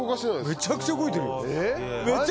めちゃくちゃ動いてるよ！